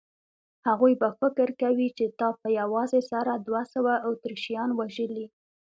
هغوی به فکر کوي چې تا په یوازې سره دوه سوه اتریشیان وژلي.